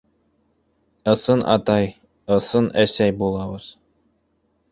Ысын атай, ысын әсәй булабыҙ.